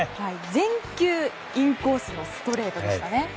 全球、インコースのストレートでしたね。